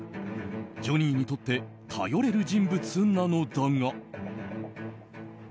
ジョニーにとって頼れる人物なのだが。